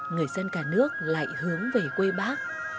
người dân cả nước lại hướng về quê bác